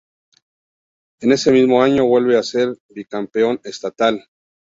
En ese mismo año vuelve a ser bicampeón estatal.